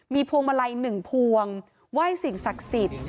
พวงมาลัย๑พวงไหว้สิ่งศักดิ์สิทธิ์